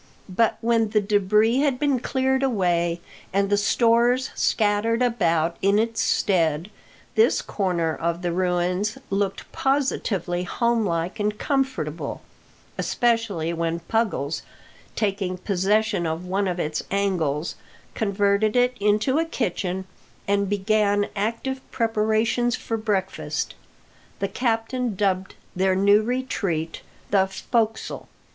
But when the debris had been cleared away, and the stores scattered about in its stead, this corner of the ruins looked positively homelike and comfortable especially when Puggles, taking possession of one of its angles, converted it into a kitchen, and began active preparations for breakfast. The captain dubbed their new retreat "the fo'csle."